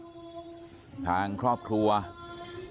ทางครอบครัวสัมมิติการทุกครั้งนี่ก็สำหรับพี่สาวสาวแพร